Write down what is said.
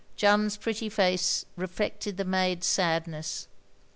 Jeanne's pretty face reflected the maid's sadness.